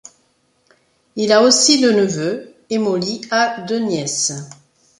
Il a aussi deux neveux, et Molly a deux nièces.